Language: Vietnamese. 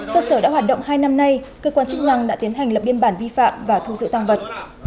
cơ sở đã hoạt động hai năm nay cơ quan chức năng đã tiến hành lập biên bản vi phạm và thu giữ tăng vật